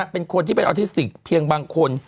เป็นคนที่เป็นออทิสติกเพียงบางคน